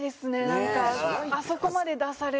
なんかあそこまで出されると。